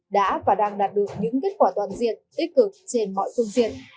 đã và đang đạt được những kết quả toàn diện tích cực trên mọi phương diện